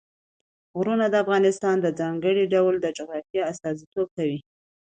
غرونه د افغانستان د ځانګړي ډول جغرافیه استازیتوب کوي.